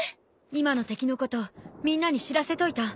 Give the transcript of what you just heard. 今の敵のことみんなに知らせといた。